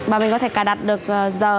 và mình có thể cài đặt được giờ